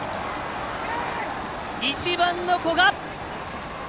１番の古賀！